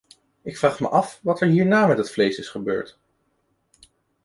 Ik vraag me af wat er hierna met het vlees is gebeurd.